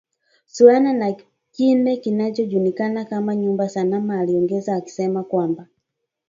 suala la kile kinachojulikana kama nyumba salama aliongeza akisema kwamba